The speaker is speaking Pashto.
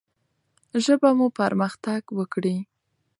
ژبه مو پرمختګ وکړي.